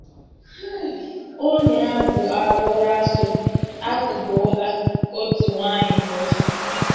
Onye Ogbuaọwaraọsọ Akụgbuola Otu Nwaanyị n'Osun